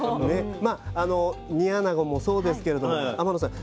まあ煮あなごもそうですけれども天野さん